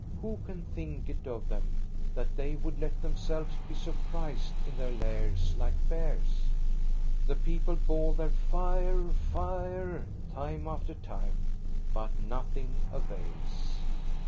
Who can think it of them, that they would let themselves be surprised in their lairs like bears? The people bawl their " Fire, fire !" time after time, but nothing avails.